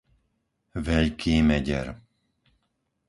Veľký Meder